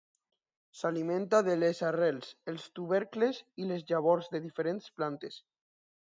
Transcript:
S'alimenta de les arrels, els tubercles i les llavors de diferents plantes.